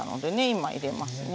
今入れますね。